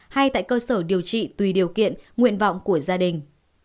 hay tại cơ sở điều trị tùy điều kiện nguyện vọng của gia đình